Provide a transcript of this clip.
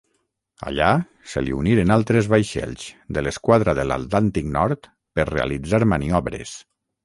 Allà se li uniren altres vaixells de l'esquadra de l'Atlàntic Nord per realitzar maniobres.